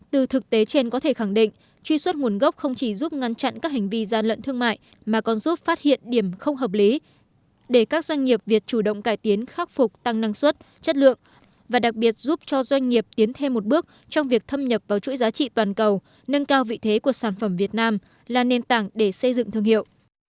từ thực tế trên có thể khẳng định truy xuất nguồn gốc không chỉ giúp ngăn chặn các hành vi gian lận thương mại mà còn giúp phát hiện điểm không hợp lý để các doanh nghiệp việc chủ động cải tiến khắc phục tăng năng suất chất lượng và đặc biệt giúp cho doanh nghiệp tiến thêm một bước trong việc thâm nhập vào chuỗi giá trị toàn cầu nâng cao vị thế của sản phẩm việt nam là nền tảng để xây dựng thương hiệu